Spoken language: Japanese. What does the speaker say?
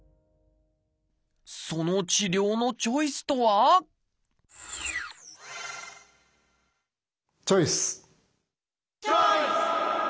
その治療のチョイスとはチョイス！